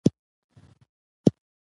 الوتکه په ثانیو کې اوږده فاصله وهي.